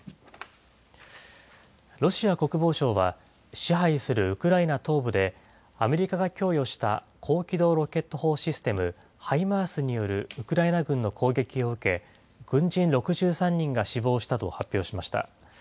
ロシア国防省は、支配するウクライナ東部で、アメリカが供与した高機動ロケット砲システム・ハイマースによるウクライナ軍の攻撃を受け、軍人６３人が死亡したと発表しました。